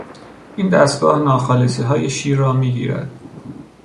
این دستگاه ناخالصیهای شیر را میگیرد.